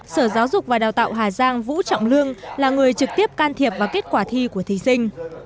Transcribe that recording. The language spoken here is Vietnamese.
sở giáo dục và đào tạo hà giang vũ trọng lương là người trực tiếp can thiệp vào kết quả thi của thí sinh